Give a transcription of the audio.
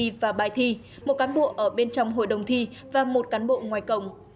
kỳ thi và bài thi một cán bộ ở bên trong hội đồng thi và một cán bộ ngoài cổng